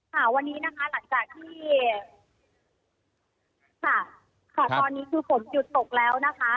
ค่ะวันนี้นะคะหลังจากที่ค่ะค่ะตอนนี้คือฝนหยุดตกแล้วนะคะ